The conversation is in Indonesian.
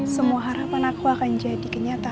semua harapan aku akan jadi kenyataan